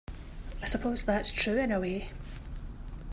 I suppose that's true in a way.